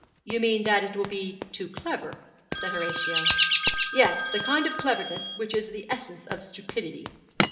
'You mean that it will be too clever,' said Horatio. 'Yes, that kind of cleverness which is the essence of stupidity.'